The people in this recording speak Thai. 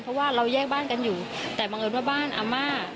เพราะว่าเราแยกบ้านกันอยู่แต่บังเอิญว่าบ้านอาม่า